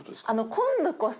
今度こそ。